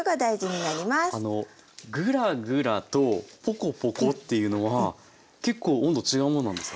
あのグラグラとポコポコっていうのは結構温度違うものなんですか？